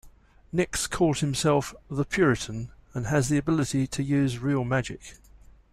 Nix calls himself "The Puritan" and has the ability to use real magic.